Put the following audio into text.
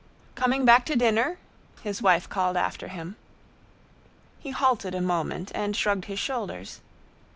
"Coming back to dinner?" his wife called after him. He halted a moment and shrugged his shoulders.